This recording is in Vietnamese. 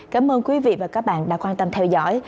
cảm ơn quý vị và các bạn đã quan tâm theo dõi